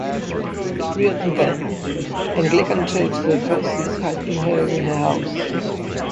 Prior to then, Anglican church services had been held in her house.